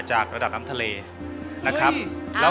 จากระดาษน้ำทะเล